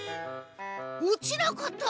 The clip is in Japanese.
落ちなかった！